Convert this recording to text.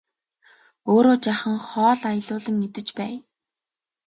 Өөрөө жаахан хоол аялуулан идэж байя!